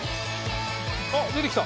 あっ出てきた！